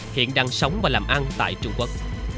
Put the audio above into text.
hiện đang sống và làm ăn tại trung quốc